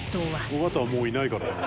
「尾形はもういないからね」